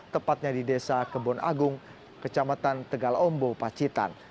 tepatnya di desa kebon agung kecamatan tegalombo pacitan